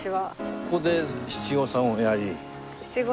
ここで七五三をやり？